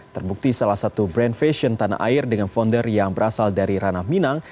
terbukti salah satu brand fashion tanah air dengan founder yang berasal dari ranah minang